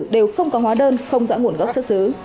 đều không có hóa đơn không rõ nguồn gốc xuất xứ